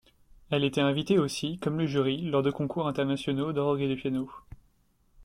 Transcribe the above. Elle était invitée aussi comme le jury lors de concours internationaux d’orgue et piano.